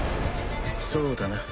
そうだな。